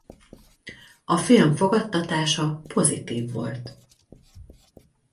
A film fogadtatása pozitív volt.